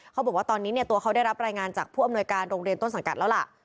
เขาบอกว่าตอนนี้ตัวเขาได้รับรายงานจากผู้อำนวยการโรงเรียนต้นสังกัดแล้วล่ะ